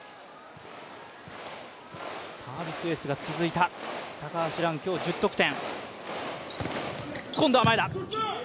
サービスエースが続いた高橋藍、今日１０得点。